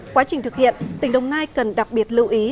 quá trình thực hiện tỉnh đồng nai cần đặc biệt lưu ý